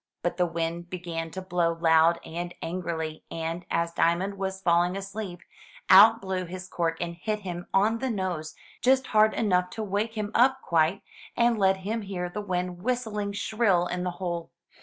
But the wind began to blow loud and angrily, and, as Diamond was falling asleep, out blew his cork and hit him on the nose, just hard enough to wake him up quite, and let him hear the wind whist ling shrill in the hole.